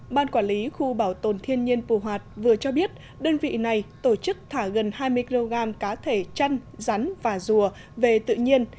ban quản lý khu bảo tồn thiên nhiên pù hoạt vừa cho biết đơn vị này tổ chức thả gần hai mươi kg cá thể chăn rắn và rùa về tự nhiên